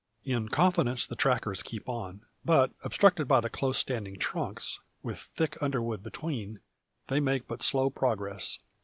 In confidence the trackers keep on; but obstructed by the close standing trunks, with thick underwood between, they make but slow progress.